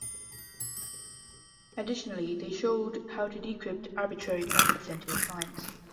Additionally they showed how to decrypt arbitrary packets sent to a client.